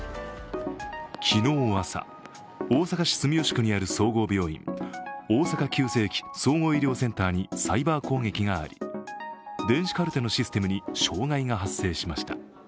昨日朝、大阪市住吉区にある総合病院、大阪急性期・総合医療センターにサイバー攻撃があり電子カルテのシステムに障害が発生しました。